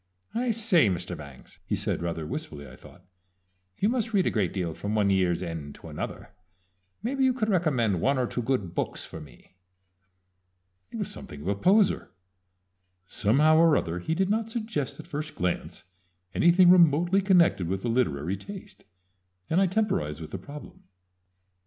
"I say, Mr. Bangs," he said, rather wistfully, I thought, "you must read a great deal from one year's end to another maybe you could recommend one or two good books for me?" It was something of a poser. Somehow or other he did not suggest at first glance anything remotely connected with a literary taste, and I temporized with the problem.